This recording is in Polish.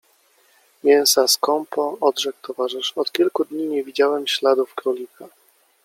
- Mięsa skąpo - odrzekł towarzysz - od kilku dni nie widziałem śladów królika.